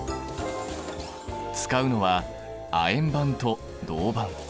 使うのは亜鉛板と銅板。